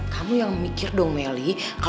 kamu yang mikir dong melly